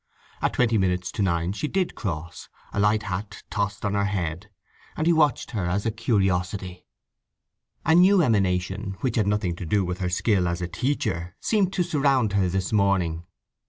At twenty minutes to nine she did cross, a light hat tossed on her head; and he watched her as a curiosity. A new emanation, which had nothing to do with her skill as a teacher, seemed to surround her this morning.